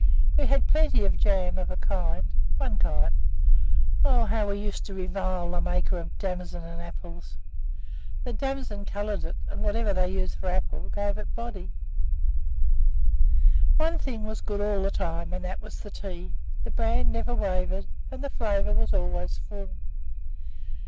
We had plenty of jam, of a kind one kind. Oh! how we used to revile the maker of "Damson and Apple'!" The damson coloured it, and whatever they used for apple gave it body. One thing was good all the time, and that was the tea. The brand never wavered, and the flavour was always full.